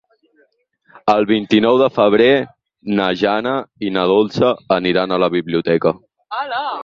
El vint-i-nou de febrer na Jana i na Dolça aniran a la biblioteca.